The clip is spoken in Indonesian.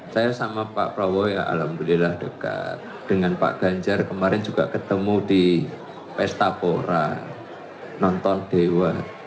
saya sama pak prabowo ya alhamdulillah dekat dengan pak ganjar kemarin juga ketemu di pesta pora nonton dewa